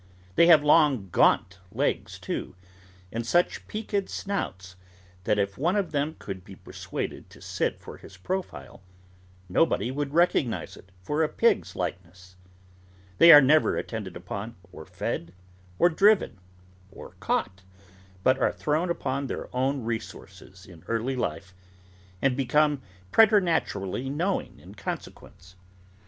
They have long, gaunt legs, too, and such peaked snouts, that if one of them could be persuaded to sit for his profile, nobody would recognise it for a pig's likeness. They are never attended upon, or fed, or driven, or caught, but are thrown upon their own resources in early life, and become preternaturally knowing in consequence.